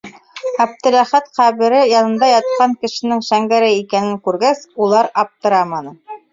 Әптеләхәт ҡәбере янында ятҡан кешенең Шәңгәрәй икәнен күргәс, улар аптыраманы.